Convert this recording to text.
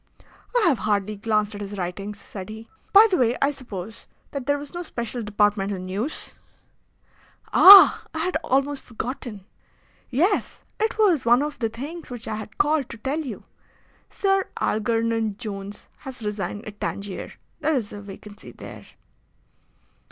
"I have hardly glanced at his writings," said he. "By the way, I suppose that there was no special departmental news?" "Ah! I had almost forgotten. Yes, it was one of the things which I had called to tell you. Sir Algernon Jones has resigned at Tangier. There is a vacancy there."